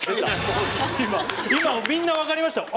今みんな分かりましたよ。